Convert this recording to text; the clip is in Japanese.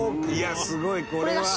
すごいこれは」